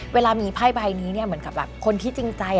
เวลามีไพ่ใบนี้เหมือนกับแบบคนที่จริงใจ